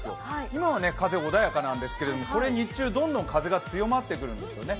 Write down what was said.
今は風、穏やかなんですけれども、日中はどんどん風が強まってくるんですね。